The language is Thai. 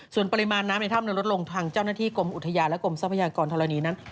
ส่วนปริมาณน้ำในถ้ำนั้นลดลงทางเจ้าหน้าที่กรมอุทยานและกรมทรัพยากรธรณีนั้น